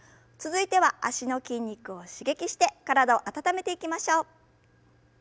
続いては脚の筋肉を刺激して体を温めていきましょう。